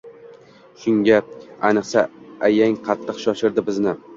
Shunga, ayniqsa ayang qattiq shoshirdi bizni.